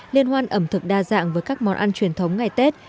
liên hoan ẩm thực đa dạng với các món ăn truyền thống ngày tết